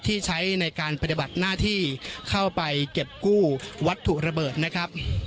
ที่ใช้ในการปฏิบัติหน้าที่เข้าไปเก็บกู้วัตถุระเบิดนะครับ